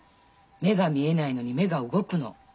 目が見えないのに目が動くの。